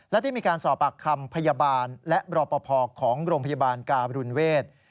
และได้มีการสอบปากคำพยาบาลและรอปภของโรงพยาบาลการุณเวศ